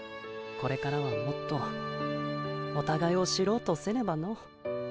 これからはもっとおたがいを知ろうとせねばの。